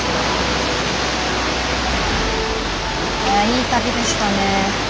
いやいい旅でしたね。